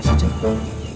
sampai jumpa lagi